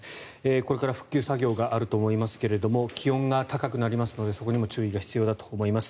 これから復旧作業があると思いますが気温が高くなりますのでそこにも注意が必要だと思います。